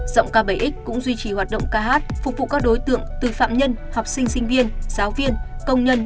giọng k bảy x cũng duy trì hoạt động ca hát phục vụ các đối tượng từ phạm nhân học sinh sinh viên giáo viên công nhân